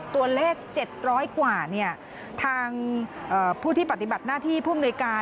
ตัวเลข๗๐๐กว่าทางผู้ที่ปฏิบัติหน้าที่ผู้อำนวยการ